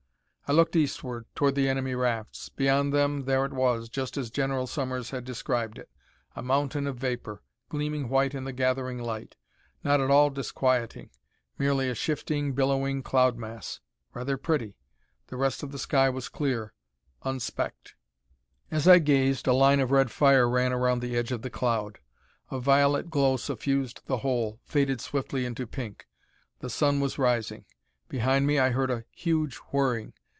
I looked eastward, toward the enemy rafts. Beyond them, there it was, just as General Sommers had described it a mountain of vapor, gleaming white in the gathering light. Not at all disquieting; merely a shifting, billowing cloud mass. Rather pretty. The rest of the sky was clear, unspecked. As I gazed a line of red fire ran around the edge of the cloud. A violet glow suffused the whole, faded swiftly into pink. The sun was rising. Behind me I heard a huge whirring.